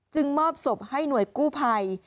มอบศพให้หน่วยกู้ภัย